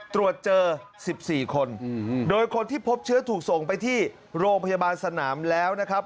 ตรวจเจอ๑๔คนโดยคนที่พบเชื้อถูกส่งไปที่โรงพยาบาลสนามแล้วนะครับ